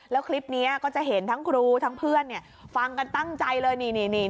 แล้วคลิปนี้ก็จะเห็นทั้งครูทั้งเพื่อนฟังกันตั้งใจเลยนี่